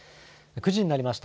９時になりました。